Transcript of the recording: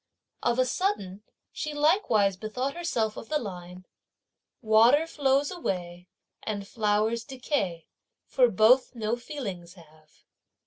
Of a sudden, she likewise bethought herself of the line: Water flows away and flowers decay, for both no feelings have.